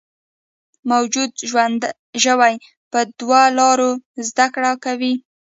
موجوده ژوي په دوو لارو زده کړه کوي.